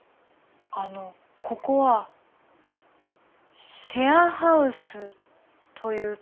あのここはシェアハウスというところですか？